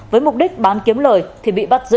với mục đích bán kiếm lời thì bị bắt giữ